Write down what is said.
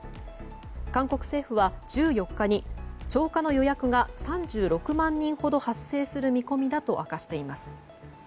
韓国政府は、１４日に超過の予約が３６万人ほど発生する見込みだと明かしています。